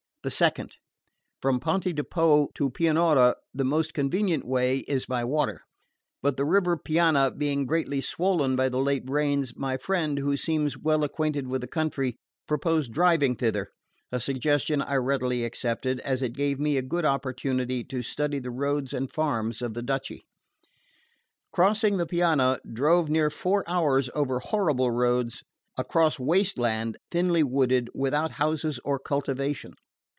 The 2nd. From Ponte di Po to Pianura the most convenient way is by water; but the river Piana being greatly swollen by the late rains, my friend, who seems well acquainted with the country, proposed driving thither: a suggestion I readily accepted, as it gave me a good opportunity to study the roads and farms of the duchy. Crossing the Piana, drove near four hours over horrible roads across waste land, thinly wooded, without houses or cultivation.